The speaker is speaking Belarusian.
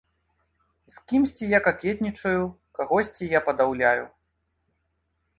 З кімсьці я какетнічаю, кагосьці я падаўляю.